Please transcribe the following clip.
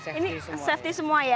aman safety semua